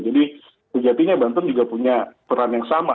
jadi sejatinya banten juga punya peran yang sama